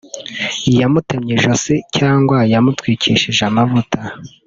yamutemye ijosi cyangwa yamutwikishije amavuta